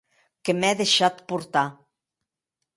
Que m'è deishat portar!